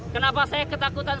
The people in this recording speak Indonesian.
kenapa saya ketakutan